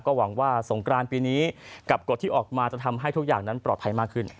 หวังว่าสงกรานปีนี้กับกฎที่ออกมาจะทำให้ทุกอย่างนั้นปลอดภัยมากขึ้น